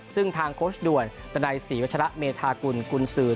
ซึ่งทางโค้ชด่วนดันัยศรีวัชระเมธากุลกุญสือ